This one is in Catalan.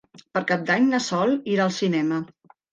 Per Cap d'Any na Sol irà al cinema.